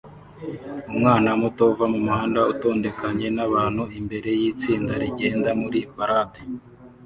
Umwana muto uva mumuhanda utondekanye nabantu imbere yitsinda rigenda muri parade